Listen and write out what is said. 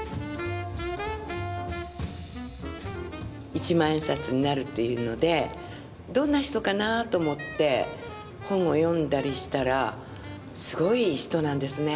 一万円札になるというのでどんな人かなと思って本を読んだりしたらすごい人なんですね。